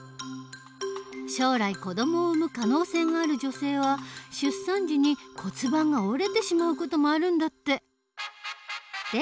将来子どもを産む可能性がある女性は出産時に骨盤が折れてしまう事もあるんだって。